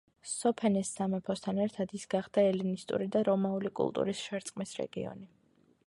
სოფენეს სამეფოსთან ერთად ის გახდა ელინისტური და რომაული კულტურის შერწყმის რეგიონი.